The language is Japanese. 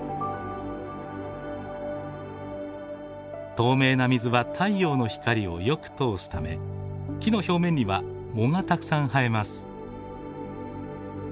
透明な水は太陽の光をよく通すため木の表面には藻がたくさん生えます。